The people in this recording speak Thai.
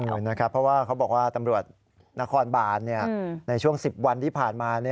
เหมือนนะครับเพราะว่าเขาบอกว่าตำรวจนครบาลในช่วง๑๐วันที่ผ่านมา